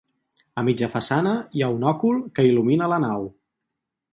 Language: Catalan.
A mitja façana hi ha un òcul que il·lumina la nau.